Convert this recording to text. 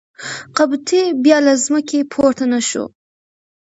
قبطي بیا له ځمکې پورته نه شو.